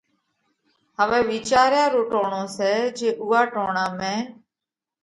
هوئہ وِيچاريا رو ٽوڻو سئہ جي اُوئا ٽوڻا ۾